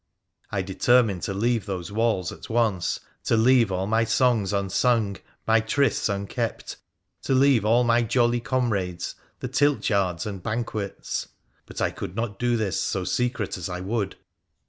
I determined to leave those walls at once, to leave all my songs unsung, my trysts unkept, to leave all my jolly comrades, the tilt yarda and banquets. But I could not do this so secret as I would.